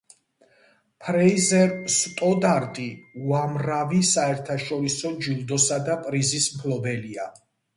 ფრეიზერ სტოდარტი უამრავი საერთაშორისო ჯილდოსა და პრიზის მფლობელია.